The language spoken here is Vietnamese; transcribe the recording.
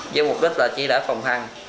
với mục đích là chỉ để phòng thăng